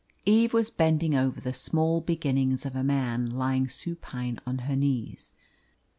Eve was bending over the small beginnings of a man lying supine on her knees.